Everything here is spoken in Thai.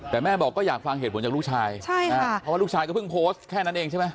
แต่แม่บอกก็อยากฟังเหตุผลจากลูกชายใช่ค่ะเพราะว่าลูกชายก็เพิ่งโพสต์แค่นั้นเองใช่ไหม